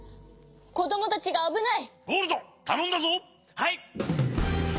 はい！